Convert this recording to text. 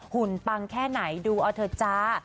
หุปังแค่ไหนดูเอาเถอะจ้า